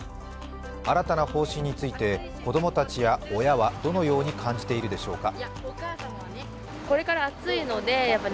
新たな方針について、子供たちや親はどのように感じているでしょうか。